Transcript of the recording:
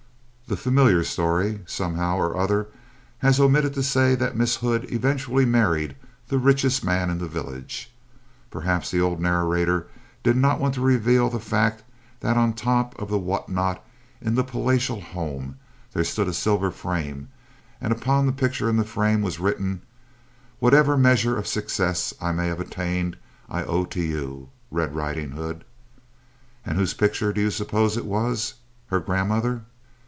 The familiar story, somehow or other, has omitted to say that Miss Hood eventually married the richest man in the village. Perhaps the old narrator did not want to reveal the fact that on top of the what not in the palatial home there stood a silver frame, and upon the picture in the frame was written: "Whatever measure of success I may have attained I owe to you Red Riding Hood." And whose picture do you suppose it was? Her grandmother?